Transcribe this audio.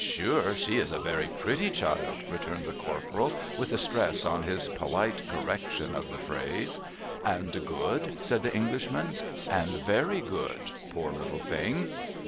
' Monsieur, she is a very pretty cliild,' returned the Corporal, with a stress on his polite correction of the phrase. ' And good ?' said the Englishman. ' And very good. Poor little thing